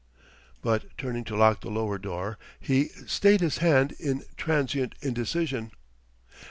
But turning to lock the lower door, he stayed his hand in transient indecision.